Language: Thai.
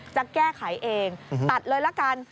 จะแก้ไขเองตัดเลยละกัน